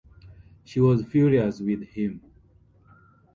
She was furious with him.